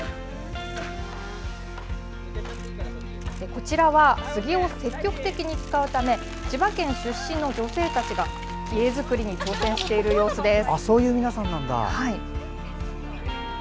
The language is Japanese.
こちらは杉を積極的に使うため千葉県出身の女性たちが家づくりに挑戦しているんです。